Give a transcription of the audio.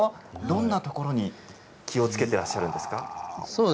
どんなところに気をつけてらっしゃるんですか？